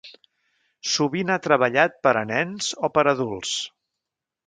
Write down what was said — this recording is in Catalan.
Sovint ha treballat per a nens o per a adults.